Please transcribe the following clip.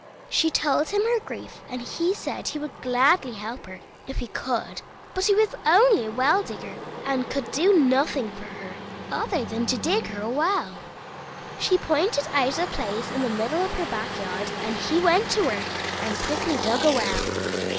She told him her grief, and he said he would gladly help her if he could, but he was only a well digger, and could do nothing for her other than to dig her a well. She pointed out a place in the middle of her back yard, and he went to work and quickly dug a well.